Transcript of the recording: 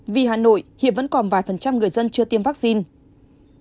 vì hà nội hiện vẫn còn vài phần trăm người dân chưa tiêm vaccine